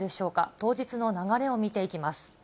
当日の流れを見ていきます。